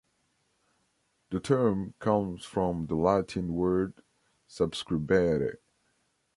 The term comes from the Latin word "subscribere".